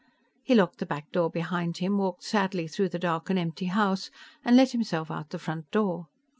He locked the back door behind him, walked sadly through the dark and empty house and let himself out the front door.